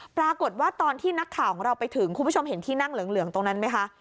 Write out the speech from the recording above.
ปรากฏว่าตอนที่นักข่าวของเราไปถึงคุณผู้ชมเห็นที่นั่งเหลืองตรงนั้นไหมคะ